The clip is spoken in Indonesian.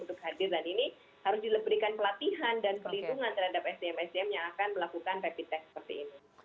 untuk hadir dan ini harus diberikan pelatihan dan pelindungan terhadap sdm sdm yang akan melakukan rapid test seperti ini